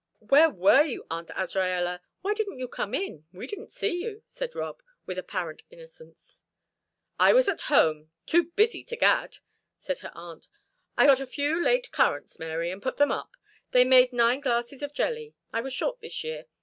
"Where were you, Aunt Azraella? Why didn't you come in? We didn't see you," said Rob, with apparent innocence. "I was at home, too busy to gad," said her aunt. "I got a few late currants, Mary, and I put them up they made nine glasses of jelly. I was short this year.